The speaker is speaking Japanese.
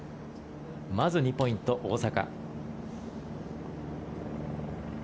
まず２ポイント、大坂。